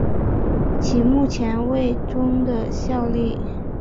其目前为中的效力。